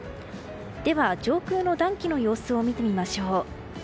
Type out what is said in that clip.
では、上空の暖気の様子を見てみましょう。